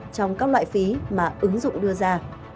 trong các loại phí mà ứng dụng đưa ra